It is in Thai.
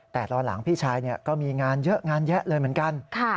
แต่ตอนหลังพี่ชายก็มีงานเยอะงานแยะเลยเหมือนกัน